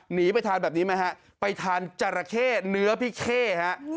หนีไปทานแบบนี้ไหมครับไปทานจาระเข้เนื้อพิเข้ครับ